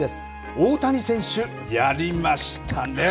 大谷選手やりましたね。